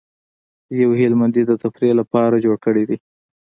یو هلمندي د تفریح لپاره جوړ کړی دی.